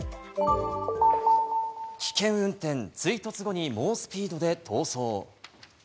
危険運転、追突後に猛スピードで逃走。